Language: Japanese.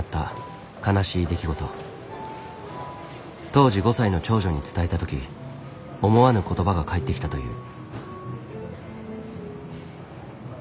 当時５歳の長女に伝えた時思わぬ言葉が返ってきたという。